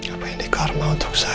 apa ini karma untuk saya